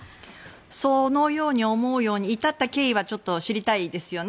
そのように思うように至った経緯はちょっと知りたいですよね。